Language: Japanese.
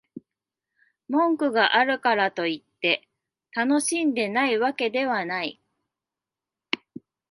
文句があるからといって、楽しんでないわけではない